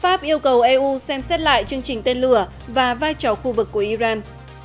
pháp yêu cầu eu xem xét lại chương trình tên lửa và vai trò khu vực của iran